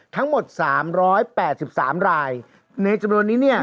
ทั้งหมดสามร้อยแปดสิบสามรายในจำนวนนี้เนี่ย